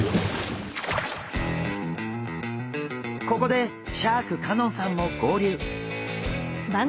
ここでシャーク香音さんも合流！